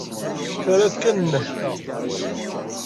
Terra-d kan nnehta.